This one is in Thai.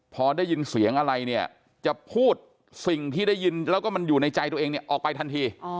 พอได้ยินเสียงอะไรเนี่ยจะพูดสิ่งที่ได้ยินแล้วก็มันอยู่ในใจตัวเองเนี่ยออกไปทันที